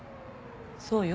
そうよ。